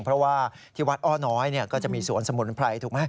เพราะว่าที่วัดอ้อน้อยก็จะมีสวนสมุนไพรถูกไหม